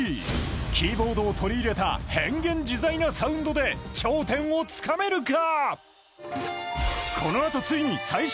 キーボードを取り入れた変幻自在なサウンドで頂点をつかめるか。